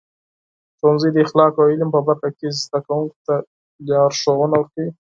ښوونځي د اخلاقو او علم په برخه کې زده کوونکو ته لارښونه ورکوي.